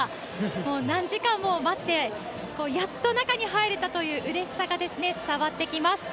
もう何時間も待って、やっと中に入れたといううれしさが伝わってきます。